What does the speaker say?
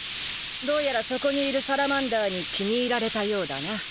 どうやらそこにいるサラマンダーに気に入られたようだな。